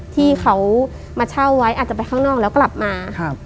ที่เขามาเช่าไว้อาจจะไปข้างนอกแล้วกลับมาครับ